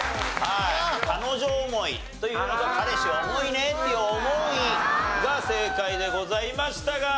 彼女思いというのと彼氏重いねっていう「おもい」が正解でございましたが。